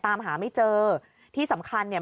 ตามหาไม่เจอที่สำคัญเนี่ย